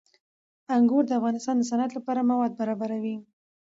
انګور د افغانستان د صنعت لپاره مواد برابروي.